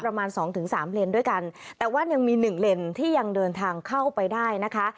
ประมาณสองถึงสามเลนด้วยกันแต่ว่ายังมีหนึ่งเลนที่ยังเดินทางเข้าไปได้นะคะ